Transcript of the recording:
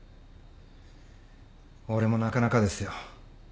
俺もなかなかですよ。